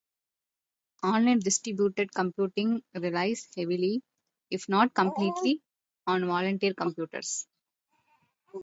Online distributed computing relies heavily, if not completely, on volunteer computers.